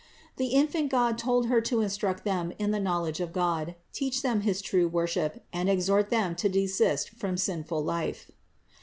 The infant God told Her to instruct them in the knowledge of God, teach them his true wor ship, and exhort them to desist from sinful life.